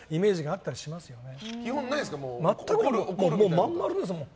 まん丸ですもん。